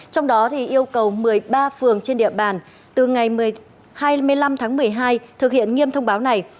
trong đó yêu cầu một mươi ba phường trên địa bàn từ ngày hai mươi năm tháng một mươi hai thực hiện nghiêm thông báo này